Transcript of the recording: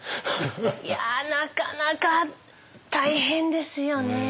いやなかなか大変ですよね。